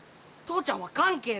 父ちゃんは関係ない！